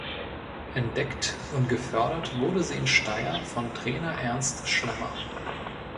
Entdeckt und gefördert wurde sie in Steyr von Trainer Ernst Schlemmer.